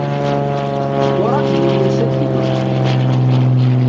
وَرَأْيٍ يُسَدِّدُهُ